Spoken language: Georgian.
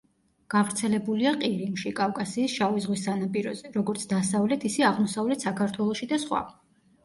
გავრცელებულია ყირიმში, კავკასიის შავი ზღვის სანაპიროზე, როგორც დასავლეთ, ისე აღმოსავლეთ საქართველოში და სხვა.